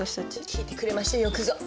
聞いてくれましたよくぞ。